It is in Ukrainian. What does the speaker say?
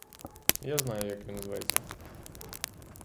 Я знаю, як він зветься.